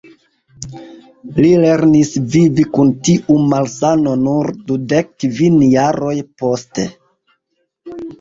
Li lernis vivi kun tiu malsano nur dudek kvin jaroj poste.